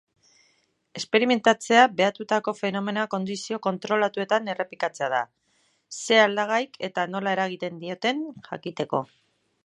Esperimentatzea behatutako fenomenoa kondizio kontrolatuetan errepikatzea da, zer aldagaik eta nola eragiten dioten jakiteko.